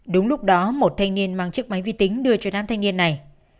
đúng lúc đó một thanh niên mang chiếc máy vi tính đưa cho nam thanh niên này